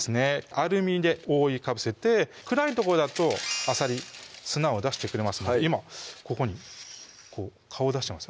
アルミで覆いかぶせてくらい所だとあさり砂を出してくれますので今ここにこう顔出してます